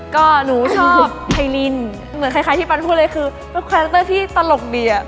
ก็หนูชอบไพรินเหมือนคล้ายที่ปันพูดเลยคือเป็นคาแรคเตอร์ที่ตลกดีอ่ะ